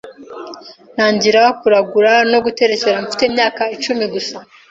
ntangira kuragura no guterekera mfite imyaka icumi gusa,